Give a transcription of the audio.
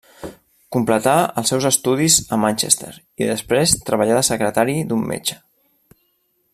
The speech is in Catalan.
Completà els seus estudis a Manchester i després treballà de secretari d'un metge.